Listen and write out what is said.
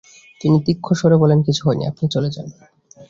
তিন্নি তীক্ষ্ণ স্বরে বলল, কিছু হয় নি, আপনি চলে যান।